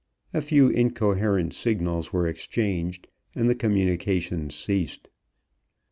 A few incoherent signals were exchanged and the communication ceased.